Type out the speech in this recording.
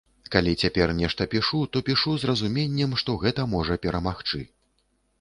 Калі цяпер нешта пішу, то пішу з разуменнем, што гэта можа перамагчы.